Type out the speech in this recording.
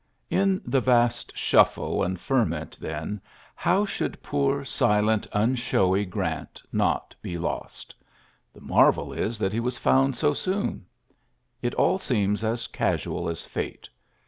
In the vast shnffle and ferment, then, how should poor, silent, nnshowy Grant not be lost! The marvel is that he was found so soon. It all seems as casual as fate.